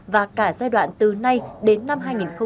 và cả giai đoạn từ nay đến năm hai nghìn hai mươi